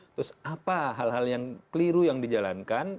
terus apa hal hal yang keliru yang dijalankan